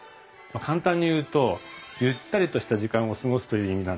簡単に言うとゆったりとした時間を過ごすという意味なんです。